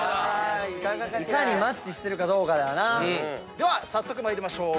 では早速参りましょう。